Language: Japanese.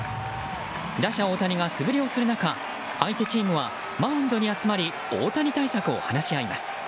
打者・大谷が素振りをする中相手チームはマウンドに集まり大谷対策を話し合います。